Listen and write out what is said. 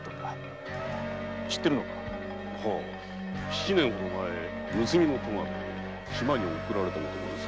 七年前盗みの罪で島に送られた男です。